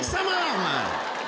お前。